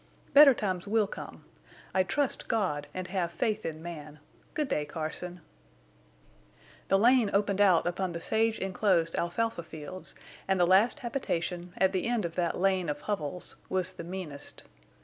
"Better times will come. I trust God and have faith in man. Good day, Carson." The lane opened out upon the sage inclosed alfalfa fields, and the last habitation, at the end of that lane of hovels, was the meanest.